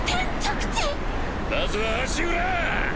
まずは足裏！